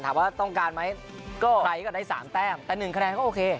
ถามว่าต้องการไหมก็ใครก็ได้สามแต้มแต่๑คะแนนก็โอเค